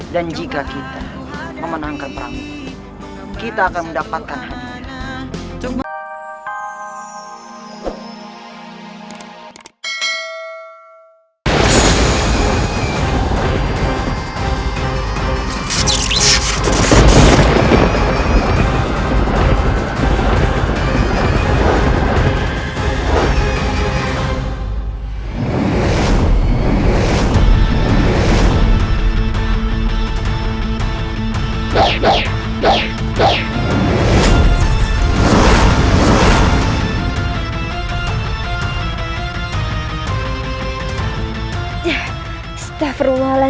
dan jika kita memenangkan perang kita akan mendapatkan hadiah